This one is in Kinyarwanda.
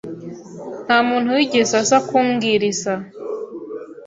Nta muntu wigeze aza kumbwiriza